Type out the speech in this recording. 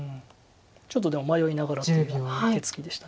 ちょっとでも迷いながらというような手つきでした。